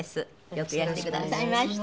よくいらしてくださいました。